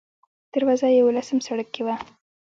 دروازه یې اوولسم سړک کې وه.